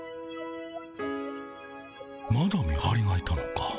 まだ見はりがいたのか。